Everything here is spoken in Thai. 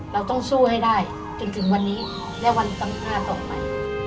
เราต้องสู้ให้ได้จนถึงวันนี้และวันข้างหน้าต่อไป